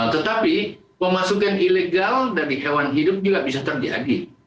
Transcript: tetapi pemasukan ilegal dari hewan hidup juga bisa terjadi